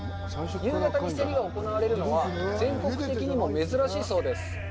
夕方に競りが行われるのは全国的にも珍しいそうです。